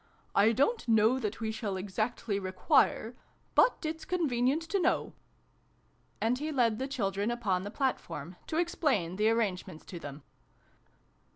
" I don't know that we shall exactly require but it's convenient to know." And he led the children upon the platform, to explain the arrangements to them.